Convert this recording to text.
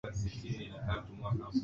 Achana naye hana nguvu